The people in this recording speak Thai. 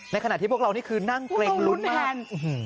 ขณะที่พวกเรานี่คือนั่งเกร็งลุ้นมาก